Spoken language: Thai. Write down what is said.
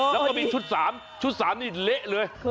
แล้วก็มีชุด๓ชุด๓นี่เละเลย